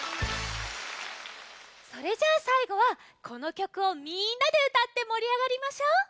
それじゃあさいごはこのきょくをみんなでうたってもりあがりましょう！